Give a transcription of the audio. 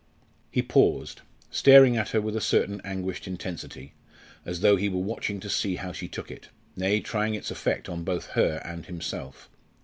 He paused, staring at her with a certain anguished intensity, as though he were watching to see how she took it nay, trying its effect both on her and himself.